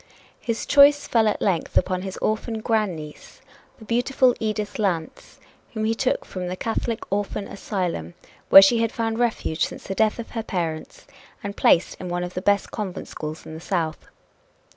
His choice fell at length upon his orphan grandniece, the beautiful Edith Lance, whom he took from the Catholic Orphan Asylum, where she had found refuge since the death of her parents and placed in one of the best convent schools in the South.